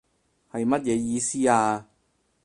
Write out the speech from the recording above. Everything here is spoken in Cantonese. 係乜嘢意思啊？